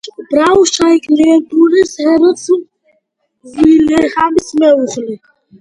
ბრაუნშვაიგ-ლიუნებურგის ჰერცოგ ვილჰელმის მეუღლე.